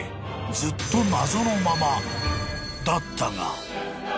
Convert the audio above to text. ［ずっと謎のままだったが］